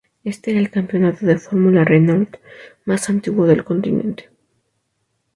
Este era el campeonato de Fórmula Renault más antiguo del continente.